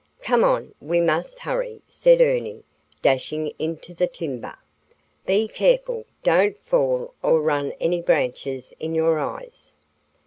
"Come on! We must hurry," said Ernie, dashing into the timber. "Be careful; don't fall or run any branches in your eyes."